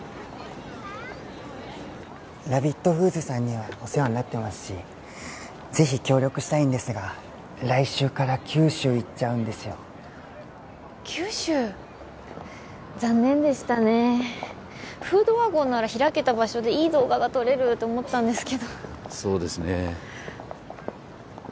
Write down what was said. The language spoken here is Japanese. ＲＡＢＢＩＴＦＯＯＤＳさんにはお世話になってますしぜひ協力したいんですが来週から九州行っちゃうんですよ九州残念でしたねフードワゴンなら開けた場所でいい動画が撮れると思ったんですけどそうですねえ